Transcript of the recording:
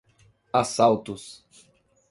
Assaltos